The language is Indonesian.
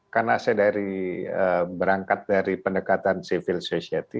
karena saya berangkat dari pendekatan civil society